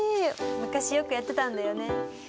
昔よくやってたんだよね。